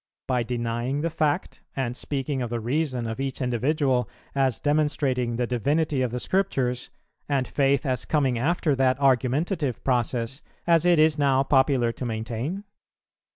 by denying the fact, and speaking of the reason of each individual as demonstrating the divinity of the Scriptures, and Faith as coming after that argumentative process, as it is now popular to maintain?